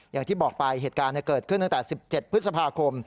อย่างที่บอกไปเหตุการณ์เกิดขึ้นตั้งแต่๑๗พฤษภาคม